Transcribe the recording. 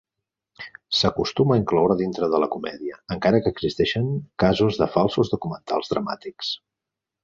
S'acostuma a incloure dintre de la comèdia, encara que existeixen casos de falsos documentals dramàtics.